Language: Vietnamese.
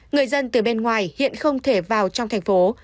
người dân từ bên ngoài hiện không thể vào trong thành phố